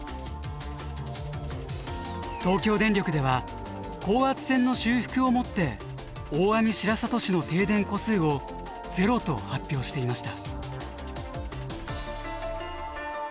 東京電力では高圧線の修復をもって大網白里市の停電戸数をゼロと発表していました。